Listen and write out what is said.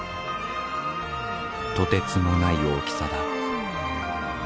とてつもない大きさだ。